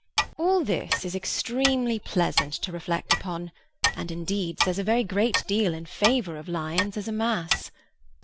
All this is extremely pleasant to reflect upon, and, indeed, says a very great deal in favour of lions as a mass.